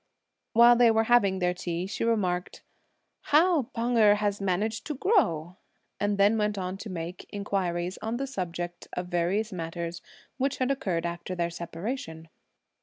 While they were having their tea she remarked, "How Pan Erh has managed to grow!" and then went on to make inquiries on the subject of various matters, which had occurred after their separation.